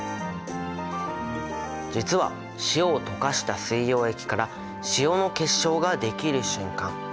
実は塩を溶かした水溶液から塩の結晶ができる瞬間。